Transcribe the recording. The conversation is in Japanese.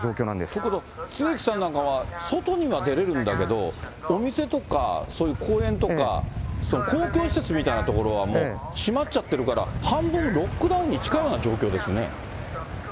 ということは槻木さんなんかは、外には出れるんだけど、お店とか、そういう公園とか、公共施設みたいな所は、もう閉まっちゃってるから、半分ロックダウンに近いような状況ですね。